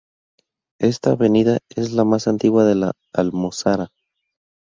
Esta avenida es la más antigua de La Almozara.